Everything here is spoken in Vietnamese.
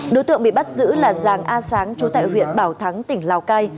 đối tượng bị bắt giữ là giàng a sáng chú tại huyện bảo thắng tỉnh lào cai